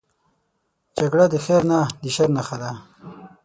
جګړه د خیر نه، د شر نښه ده